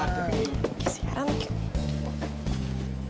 gak sih sekarang kayak gitu